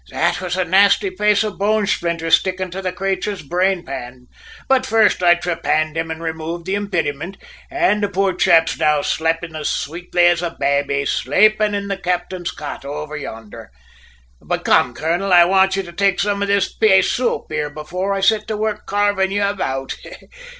"There was a nasty paice of bone sphlinter sticking in the crayture's brainpan; but, first, I trepanned him an' raymoved the impiddimint, an' the poor chap's now slayping as swately as a babby, slayping in the cap'en's cot over yonder! But come, colonel, I want ye to take some of this pay soup here afore I set to work carving ye about.